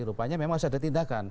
rupanya memang harus ada tindakan